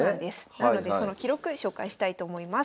なのでその記録紹介したいと思います。